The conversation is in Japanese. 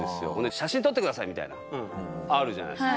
「写真撮ってください」みたいなあるじゃないですか。